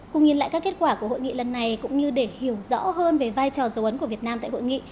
cùng nhìn lại các kết quả của hội nghị lần này cũng như để hiểu rõ hơn về vai trò dấu ấn của việt nam tại hội nghị